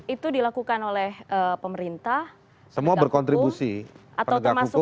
itu dilakukan oleh pemerintah negara hukum atau termasuk kpk juga